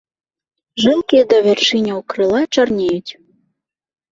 Жылкі да вяршыняў крыла чарнеюць.